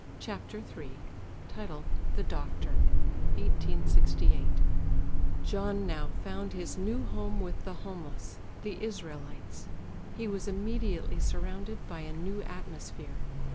CHAPTER III THE DOCTOR (1868) John now found his new home with the homeless, the Israelites. He was immediately surrounded by a new atmosphere.